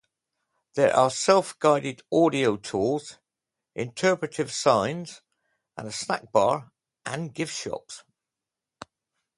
There are self-guided audio tours, interpretive signs, a snackbar, and gift shops.